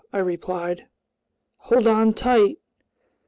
I replied. "Hold on tight."